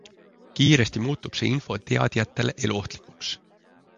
Kiiresti muutub see info teadjatele eluohtlikuks.